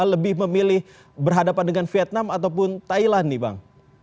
lebih memilih berhadapan dengan vietnam ataupun thailand nih bang